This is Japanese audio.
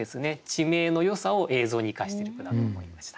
地名のよさを映像に生かしてる句だと思いました。